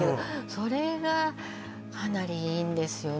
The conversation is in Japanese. それがかなりいいんですよね